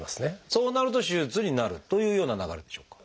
そうなると手術になるというような流れでしょうか？